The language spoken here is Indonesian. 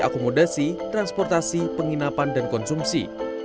akomodasi transportasi penginapan dan konsumsi